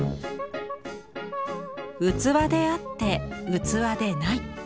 器であって器でない。